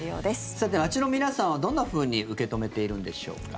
さて、街の皆さんはどんなふうに受け止めているんでしょうか。